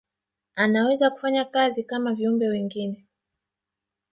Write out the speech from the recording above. anaweza kufanya kazi kama viumbe wengine